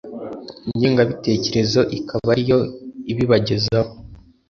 ingengabitekerezo ikaba ariyo ibibagezaho.